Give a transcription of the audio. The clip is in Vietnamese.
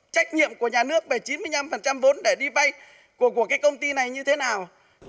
trách nhiệm của nhà nước về chín mươi năm vốn để đi vay của cái công ty này như thế nào